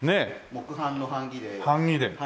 木版の版木ではい。